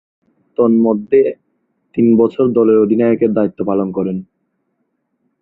তন্মধ্যে, তিন বছর দলের অধিনায়কের দায়িত্ব পালন করেন।